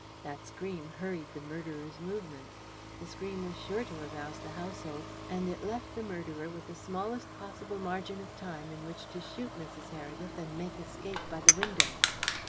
That scream hurried the murderer's movements. The scream was sure to arouse the household, and it left the murderer with the smallest possible margin of time in which to shoot Mrs. Heredith and make escape by the window.